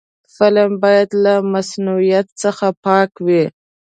فلم باید له مصنوعیت څخه پاک وي